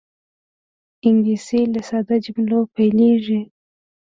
انګلیسي له ساده جملو پیلېږي